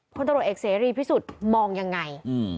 พลตำรวจเอกเสรีพิสุทธิ์มองยังไง